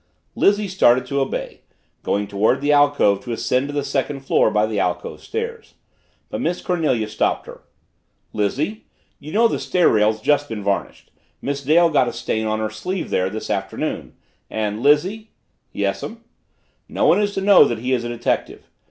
Lizzie started to obey, going toward the alcove to ascend to the second floor by the alcove stairs. But Miss Cornelia stopped her. "Lizzie you know that stair rail's just been varnished. Miss Dale got a stain on her sleeve there this afternoon and Lizzie " "Yes'm?" "No one is to know that he is a detective.